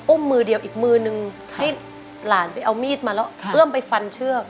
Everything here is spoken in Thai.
มือเดียวอีกมือนึงให้หลานไปเอามีดมาแล้วเอื้อมไปฟันเชือก